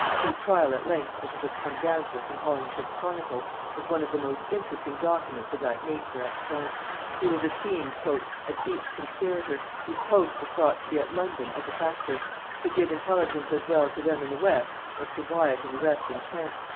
His trial at length, as it has come down to us in Holinshed's Chronicle, is one of the most interesting documents of that nature extant. He was esteemed "a deep conspirator, whose post was thought to be at London as a factor, to give intelligence as well to them in the West, as to Wyat and the rest in Kent.